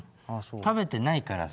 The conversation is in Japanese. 食べてないから。